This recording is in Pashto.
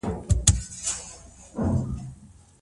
د مېرمني خبرو ته په ځير سره غوږ ونيسئ.